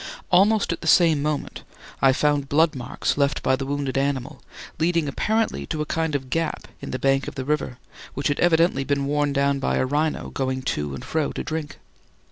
Almost at the same moment I found blood marks left by the wounded animal, leading apparently to a kind of gap in the bank of the river, which had evidently been worn down by a rhino going to and fro to drink.